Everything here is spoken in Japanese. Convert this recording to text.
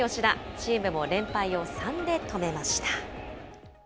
チームも連敗を３で止めました。